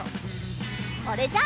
それじゃあ。